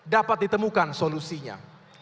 dapat ditemukan solusinya